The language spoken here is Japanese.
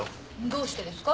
どうしてですか？